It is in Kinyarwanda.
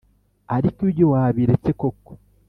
Ariko ibyo wabiretse koko